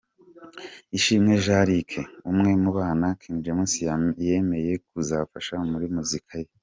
Ishimwe Jean Luc; umwe mu bana King James yemeye kuzafasha muri muzika ye.